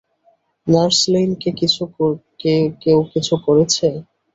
Nurse Lane কে কেউ কিছু করেছে?